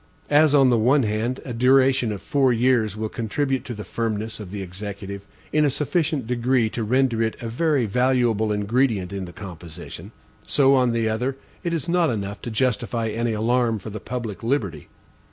As, on the one hand, a duration of four years will contribute to the firmness of the Executive in a sufficient degree to render it a very valuable ingredient in the composition; so, on the other, it is not enough to justify any alarm for the public liberty.